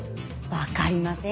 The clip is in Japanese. わかりませんよ